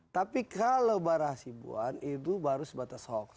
tapi kalau barahasibuan itu baru sebatas hoax